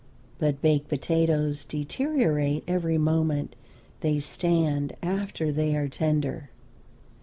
But baked potatoes deteriorate every moment they stand after they are tender.